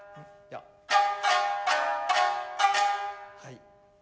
はい。